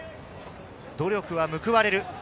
努力は報われる。